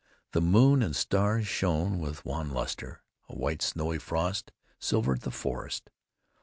The moon and stars shone with wan luster. A white, snowy frost silvered the forest.